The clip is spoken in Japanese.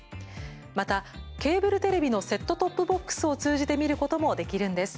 また、ケーブルテレビのセットトップボックスを通じて見ることもできるんです。